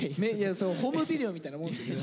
ホームビデオみたいなもんですよね？